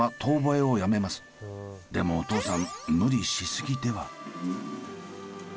でもお父さん無理しすぎでは？